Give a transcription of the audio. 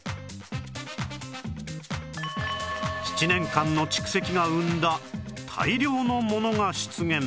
７年間の蓄積が生んだ大量のものが出現